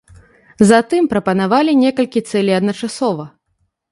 Затым прапанавалі некалькі цэлей адначасова.